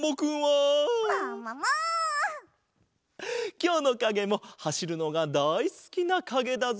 きょうのかげもはしるのがだいすきなかげだぞ。